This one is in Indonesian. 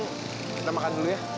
kita makan dulu ya